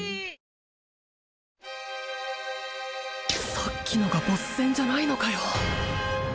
さっきのがボス戦じゃないのかよ